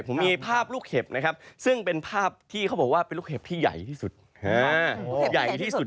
ผมมีภาพลูกเห็บนะครับซึ่งเป็นภาพที่เขาบอกว่าลูกเห็บใหญ่ที่สุด